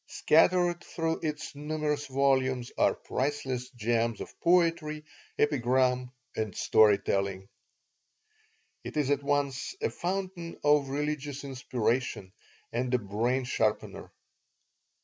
Scattered through its numerous volumes are priceless gems of poetry, epigram, and story telling It is at once a fountain of religious inspiration and a "brain sharpener."